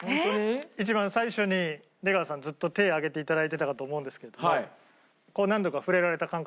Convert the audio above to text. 一番最初に出川さんずっと手上げていただいてたかと思うんですけれどもこう何度か触れられた感覚。